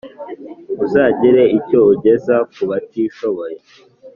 Uzagire icyo ugeza kubatishoboye